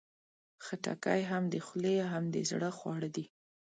خټکی هم د خولې، هم د زړه خواړه دي.